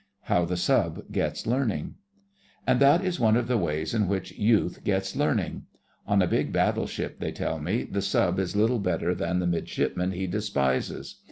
HOW THE SUB GETS LEARNING And that is one of the ways in which youth gets learning. On a big battleship, they tell me, the Sub is little better than the Midshipmen he despises.